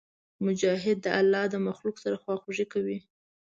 مجاهد د الله د مخلوق سره خواخوږي کوي.